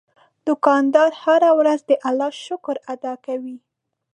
دوکاندار هره ورځ د الله شکر ادا کوي.